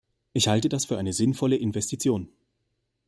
Ich halte das für eine sinnvolle Investition.